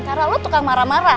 karena lo tukang marah marah